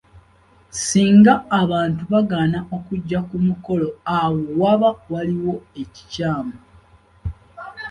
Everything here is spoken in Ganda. Singa abantu bagaana okujja ku mukolo awo waba waliwo ekikyamu.